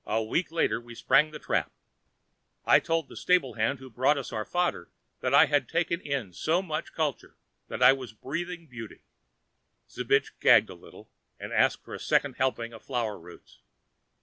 A week later, we sprang the trap. I told the stablehand who brought us our fodder that I had taken in so much culture that I was breathing beauty. Zbich, gagging a little, asked for a second helping of flower roots.